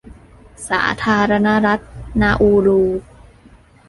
สาธารณรัฐนาอูรู